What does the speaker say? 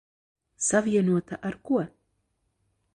Savienota ar ko?